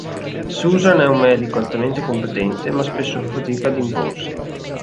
Susan è un medico altamente competente, ma spesso fa fatica ad imporsi.